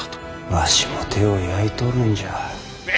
わしも手を焼いとるんじゃ。